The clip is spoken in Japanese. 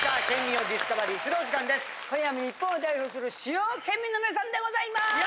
今夜も日本を代表する主要県民の皆さんでございます。